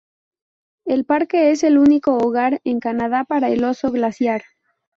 El parque es el único hogar en Canadá para el oso glaciar.